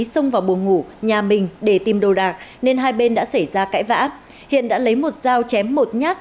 xông vào buồng ngủ nhà mình để tìm đồ đạc nên hai bên đã xảy ra cãi vã hiện đã lấy một dao chém một nhát